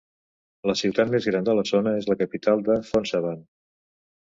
La ciutat més gran de la zona és la capital de Phonsavan.